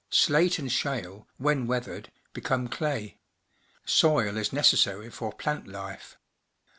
Slate and shale, when weathered, become clay. Soil is necessary for plant life.